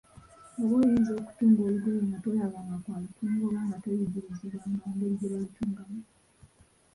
Oba oyinza okutunga olugoye nga tolabanga ku alutunga, oba nga toyigirizibwanga ngeri gye balutungamu?